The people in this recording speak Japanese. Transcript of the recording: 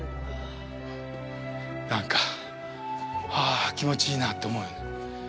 なんか、ああ、気持ちいいなって。